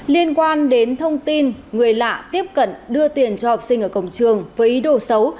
liên quan đến thông tin người lạ tiếp cận đưa tiền cho học sinh ở cổng trường với ý đồ xấu